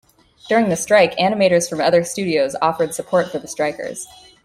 During the strike, animators from other studios offered support for the strikers.